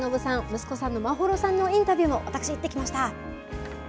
息子さんの眞秀さんのインタビューも私、行ってきました。